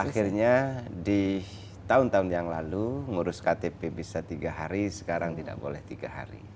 akhirnya di tahun tahun yang lalu ngurus ktp bisa tiga hari sekarang tidak boleh tiga hari